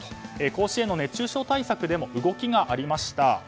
甲子園の熱中症対策でも動きがありました。